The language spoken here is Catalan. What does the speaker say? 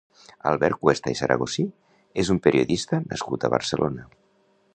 Albert Cuesta i Zaragosí és un periodista nascut a Barcelona.